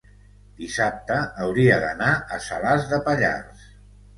dissabte hauria d'anar a Salàs de Pallars.